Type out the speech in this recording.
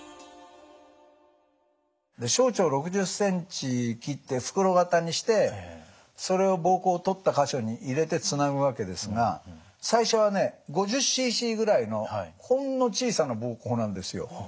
小腸６０ｃｍ切って袋型にしてそれを膀胱を取った箇所に入れてつなぐわけですが最初はね５０ｃｃぐらいのほんの小さな膀胱なんですよ。